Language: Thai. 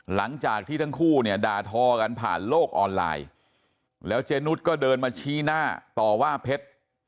หลังจากที่ทั้งคู่เนี่ยด่าทอกันผ่านโลกออนไลน์แล้วเจนุสก็เดินมาชี้หน้าต่อว่าเพชร